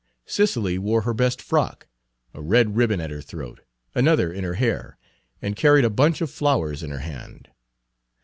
Cicely wore her best frock, a red ribbon at her throat, another in her hair, and carried a bunch of flowers in her hand.